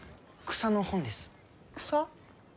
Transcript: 草！？